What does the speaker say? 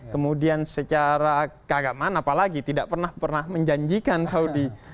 kemudian secara keagamaan apalagi tidak pernah menjanjikan saudi